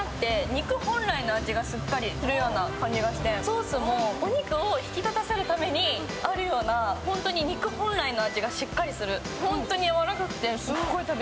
肉本来の味がしっかりするような気がしてソースもお肉を引き立たせるためにあるような、肉本来の味がしっかりする。